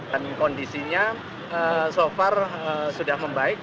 dan kondisinya so far sudah membaik